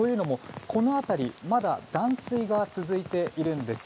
この辺り、まだ断水が続いているんです。